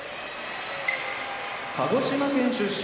鹿児島県出身